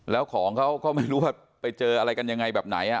แล้วของเขาก็ไม่รู้ว่าไปเจออะไรกันยังไงแบบไหน